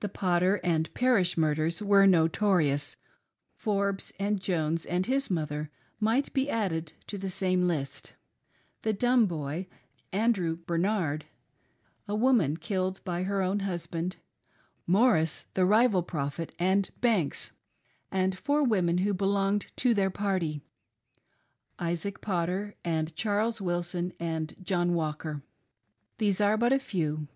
The Potter and Parrish murders were notorious ; Forbes, and Jones and his mother, might be added to the same list ; the dumb boy, Andrew Bernard ; a woman killed by her own husband ; Morris the rival Prophet, and Banks, and four women who belonged to their party ; Isaac Potter, and Charles Wilson, and John Walker. These are but a few.